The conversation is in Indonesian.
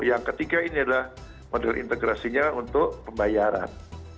yang ketiga ini adalah model integrasinya untuk pembayaran